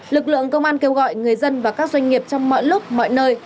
lực lượng công an kêu gọi người dân và các doanh nghiệp trong mọi lúc mọi nơi